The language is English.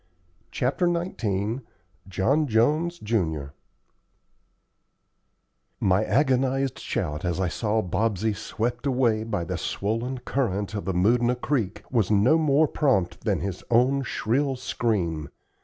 CHAPTER XIX JOHN JONES, JUN My agonized shout as I saw Bobsey swept away by the swollen current of the Moodna Creek was no more prompt than his own shrill scream.